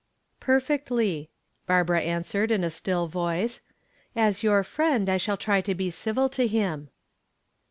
"Perfectly," Barbara answered in a still voice. "As your friend I shall try to be civil to him."